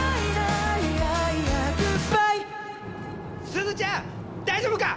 すずちゃん大丈夫か？